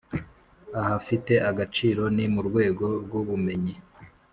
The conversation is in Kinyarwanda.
Ahafite agaciro ni mu rwego rw’ ubumenyi